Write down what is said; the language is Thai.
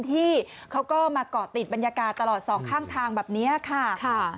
ที่เขาก็มาเกาะติดบรรยากาศตลอดสองข้างทางแบบนี้ค่ะ